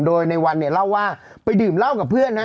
โดยในวันเนี่ยเล่าว่าไปดื่มเหล้ากับเพื่อนนะ